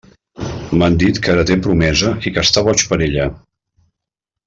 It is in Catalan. M'han dit que ara té promesa i que està boig per ella.